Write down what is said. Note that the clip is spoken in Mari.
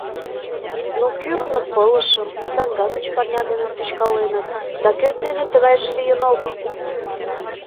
Ну, кӱрыныт пылышым, саҥга гыч парня дене тӱчкаленыт, да кӧ дене тыгайже лийын огыл?!